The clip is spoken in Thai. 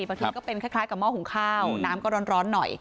บางทีก็เป็นคล้ายกับหม้อหุงข้าวน้ำก็ร้อนหน่อย